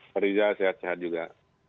pak riza sehat sehat juga